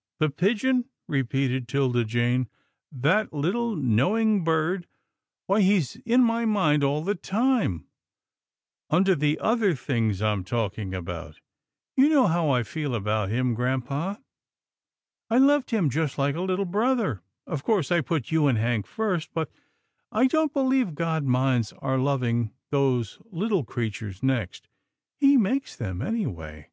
" The pigeon," repeated 'Tilda Jane, " that little knowing bird. Why he's in my mind all the time under the other things I'm talking about. You know how I feel about him, grampa. I loved him PURSUIT OF THE GOOSE 181 just like a little brother. Of course, I put you and Hank first, but I don't believe God minds our lov ing those little creatures next. He makes them, anyway."